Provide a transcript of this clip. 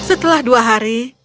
kaisar menemukan pakaian baru